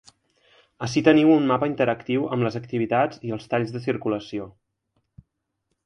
Ací teniu un mapa interactiu amb les activitats i els talls de circulació.